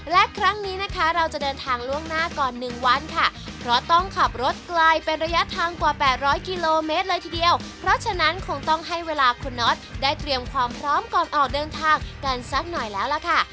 และครั้งนี้นะคะเราจะเดินทางล่วงหน้าก่อน๑วันค่ะเพราะต้องขับรถไกลเป็นระยะทางกว่า๘๐๐กิโลเมตรเลยทีเดียวเพราะฉะนั้นคงต้องให้เวลาคุณน็อตได้เตรียมความพร้อมก่อนออกเดินทางกันสักหน่อยแล้วล่ะค่ะ